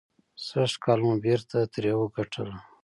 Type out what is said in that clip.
سږکال مو بېرته ترې وګټله.